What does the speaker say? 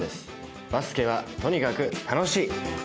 「バスケはとにかく楽しい！」。